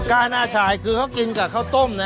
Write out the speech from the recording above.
กาน่าฉายคือเขากันกับเขาต้มนะ